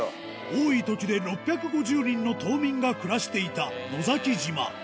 多いときで６５０人の島民が暮らしていた野崎島